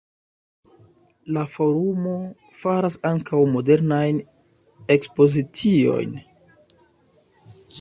La forumo faras ankaŭ modernajn ekspoziciojn.